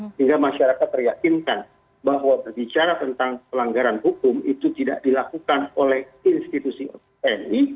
sehingga masyarakat teryakinkan bahwa berbicara tentang pelanggaran hukum itu tidak dilakukan oleh institusi tni